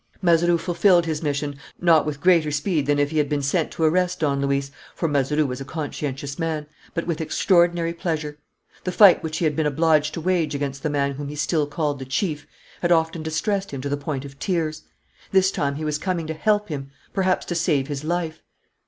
Mazeroux fulfilled his mission, not with greater speed than if he had been sent to arrest Don Luis, for Mazeroux was a conscientious man, but with extraordinary pleasure. The fight which he had been obliged to wage against the man whom he still called "the chief" had often distressed him to the point of tears. This time he was coming to help him, perhaps to save his life.